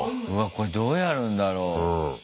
これどうやるんだろう。